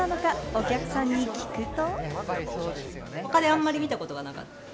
お客さんに聞くと。